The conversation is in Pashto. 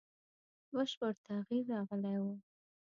بشپړ تغییر راغلی وو.